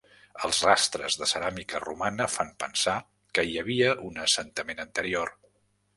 Els rastres de ceràmica romana fan pensar que hi havia un assentament anterior.